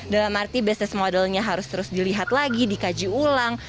dalam arti bisnis modelnya harus terus dilihat lagi dikaji ulang